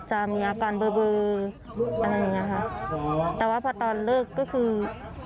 จะมีอาการเบอร์เบอร์อะไรอย่างเงี้ยค่ะแต่ว่าพอตอนเลิกก็คือ